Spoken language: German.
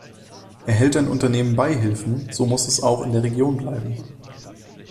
Erhält ein Unternehmen Beihilfen, so muss es auch in der Region bleiben.